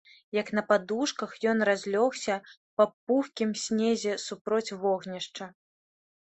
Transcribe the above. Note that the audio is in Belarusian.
Як на падушках, ён разлёгся па пухкім снезе супроць вогнішча.